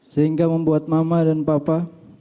sehingga membuat mama dan papa